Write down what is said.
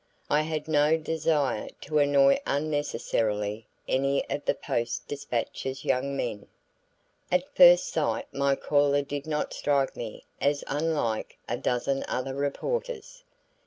I had no desire to annoy unnecessarily any of the Post Dispatch's young men. At first sight my caller did not strike me as unlike a dozen other reporters.